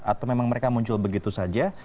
atau memang mereka muncul begitu saja